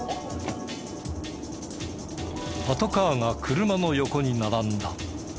パトカーが車の横に並んだ。